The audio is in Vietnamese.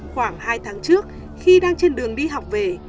khoảng hai tháng trước khi đang trên đường đi học về